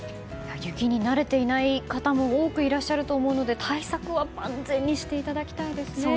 雪に慣れていない方も多くいらっしゃると思うので対策は万全にしていただきたいですね。